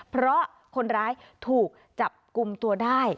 เพราะคนร้ายถูกจับกลุ่มตัวได้